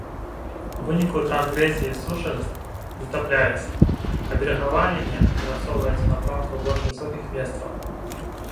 У выніку трансгрэсіі суша затапляецца, а берагавая лінія перасоўваецца ў напрамку больш высокіх месцаў.